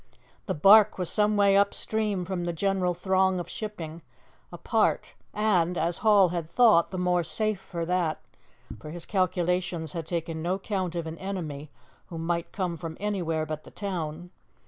The barque was some way up stream from the general throng of shipping apart, and, as Hall had thought, the more safe for that, for his calculations had taken no count of an enemy who might come from anywhere but the town.